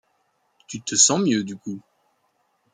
Tu te sens mieux du coup.